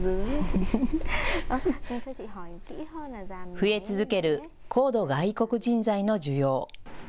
増え続ける高度外国人材の需要。